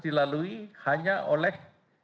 dilalui hanya oleh